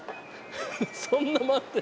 そんな回って。